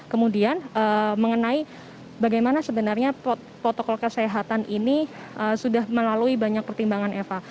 kemudian mengenai bagaimana sebenarnya protokol kesehatan ini sudah melalui banyak pertimbangan eva